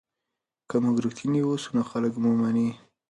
که موږ رښتیني اوسو نو خلک مو مني.